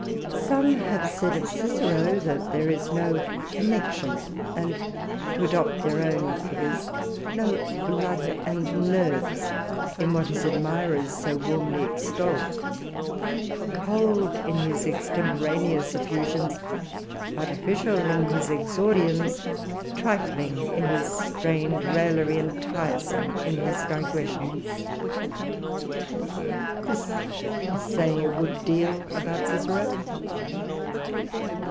Some have said of Cicero, that there is no connexion, and to adopt their own figures, no blood and nerves, in what his admirers so warmly extol. Cold in his extemporaneous effusions, artificial in his exordiums, trifling in his strained raillery, and tiresome in his digressions. This is saying a good deal about Cicero.